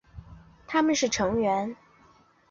他们是成员。